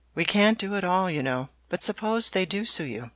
We can't do it all, you know. But suppose they do sue you?